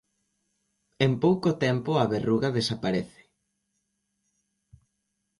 En pouco tempo a verruga desaparece.